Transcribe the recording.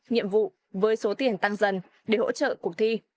nhiệm vụ với số tiền tăng dần để hỗ trợ cuộc thi